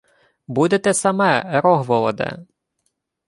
— Буде те саме, Рогволоде.